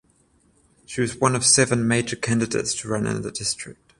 She was one of seven major candidates to run in the district.